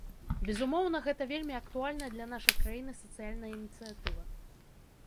Безумоўна, гэта вельмі актуальная для нашай краіны сацыяльная ініцыятыва.